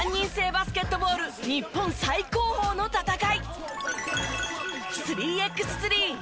バスケットボール日本最高峰の戦い。